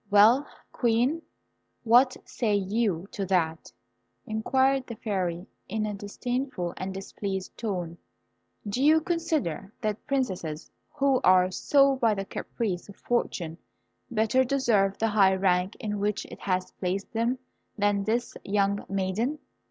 "Well, Queen, what say you to that?" inquired the Fairy, in a disdainful and displeased tone. "Do you consider that princesses, who are so by the caprice of fortune, better deserve the high rank in which it has placed them than this young maiden?